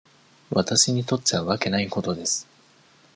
私にとっちゃわけないことです。